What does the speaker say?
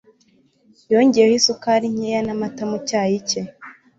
yongeyeho isukari nkeya n'amata mu cyayi cye